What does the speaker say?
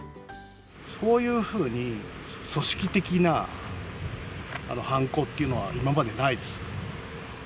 こういうふうに組織的な犯行っていうのは、今までないです。